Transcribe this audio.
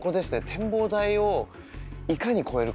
展望台をいかに越えるかと。